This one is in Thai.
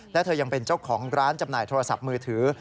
และเธอยังเป็นเจ้าของร้านจำหน่ายโทรศัพท์มือถือ